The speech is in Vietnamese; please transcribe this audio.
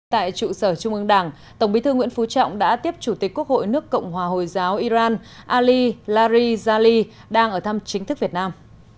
tại trụ sở trung ương đảng tổng bí thư nguyễn phú trọng đã tiếp chủ tịch quốc hội nước cộng hòa hồi giáo iran ali lari zali đang ở thăm chính thức việt nam